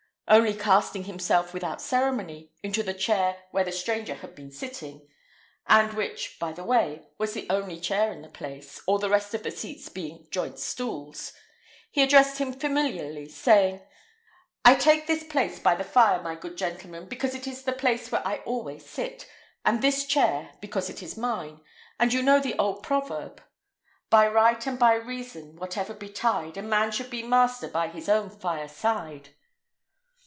Only casting himself, without ceremony, into the chair where the stranger had been sitting and which, by the way, was the only chair in the place, all the rest of the seats being joint stools he addressed him familiarly, saying, "I take this place by the fire, my good gentleman, because it is the place where I always sit, and this chair, because it is mine; and you know the old proverb "By right and by reason, whatever betide, A man should be master by his own fireside."